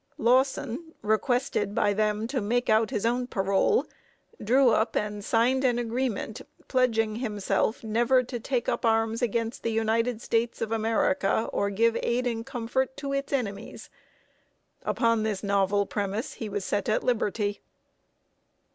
Lawson, requested by them to make out his own parole, drew up and signed an agreement, pledging himself never to take up arms against the United States of America, or give aid and comfort to its enemies! Upon this novel promise he was set at liberty.